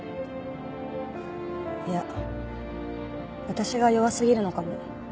いや私が弱すぎるのかも。